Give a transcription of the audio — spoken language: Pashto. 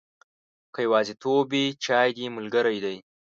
که یوازیتوب وي، چای دې ملګری دی.